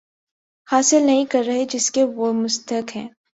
حاصل نہیں کر رہے جس کے وہ مستحق ہیں